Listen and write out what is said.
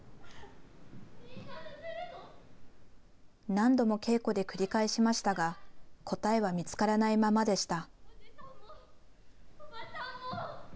何度も稽古で繰り返しましたが、答えは見つからないままでした。